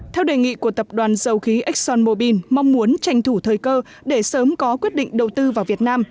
theo đề nghị của tập đoàn dầu khí exxonmobil mong muốn tranh thủ thời cơ để sớm có quyết định đầu tư vào việt nam